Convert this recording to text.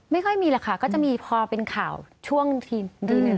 ไม่ค่อยมีหรอกค่ะก็จะมีพอเป็นข่าวช่วงทีมที่หนึ่ง